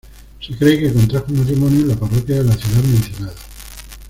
Se cree que contrajo matrimonio en la parroquia de la ciudad mencionada.